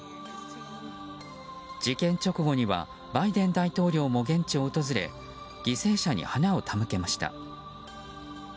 事件直後にはバイデン大統領も現地を訪れ犠牲者に花を手向けました。